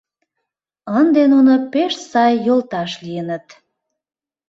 Ынде нуно пеш сай йолташ лийыныт.